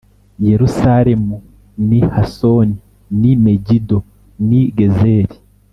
Yerusalemu n i Hasori n i Megido n i Gezeri